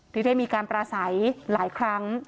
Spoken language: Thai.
ที่ได้มีการปราศัยหลายครั้ง